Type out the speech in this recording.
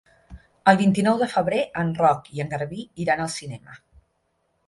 El vint-i-nou de febrer en Roc i en Garbí iran al cinema.